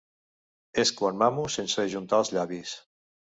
És quan mamo sense ajuntar els llavis.